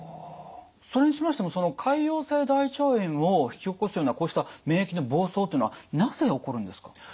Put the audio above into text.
それにしましてもその潰瘍性大腸炎を引き起こすようなこうした免疫の暴走というのはなぜ起こるんですか？